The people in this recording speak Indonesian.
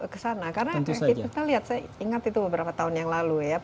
karena kita lihat saya ingat itu beberapa tahun yang lalu ya